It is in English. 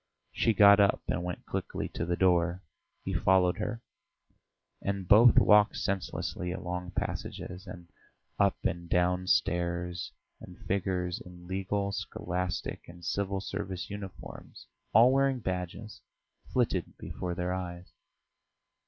She got up and went quickly to the door; he followed her, and both walked senselessly along passages, and up and down stairs, and figures in legal, scholastic, and civil service uniforms, all wearing badges, flitted before their eyes.